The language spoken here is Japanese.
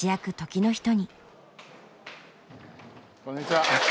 こんにちは。